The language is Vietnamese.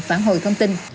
phản hồi thông tin